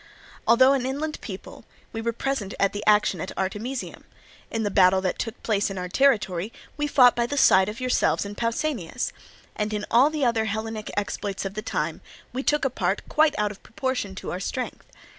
Although an inland people, we were present at the action at Artemisium; in the battle that took place in our territory we fought by the side of yourselves and Pausanias; and in all the other Hellenic exploits of the time we took a part quite out of proportion to our strength.